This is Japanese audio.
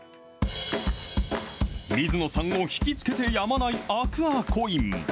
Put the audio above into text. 水野さんを引き付けてやまないアクアコイン。